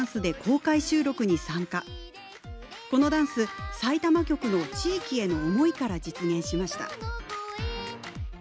このダンスさいたま局の地域への思いから実現しました。